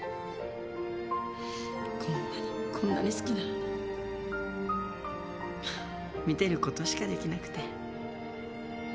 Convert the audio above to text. こんなにこんなに好きなのに見てることしかできなくて。